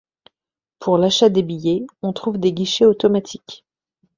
Pour l'achat des billets, on trouve des guichets automatiques.